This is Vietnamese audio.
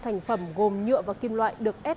thành phẩm gồm nhựa và kim loại được ép